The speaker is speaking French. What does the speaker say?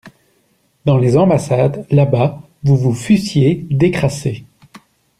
Dans les ambassades, là-bas, vous vous fussiez décrassé.